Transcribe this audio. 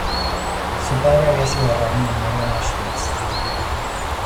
Su padre había sido rabino y murió en Auschwitz.